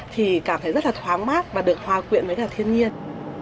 thì cảm thấy rất là thoáng mát và được hòa quyện với cả thiên nhiên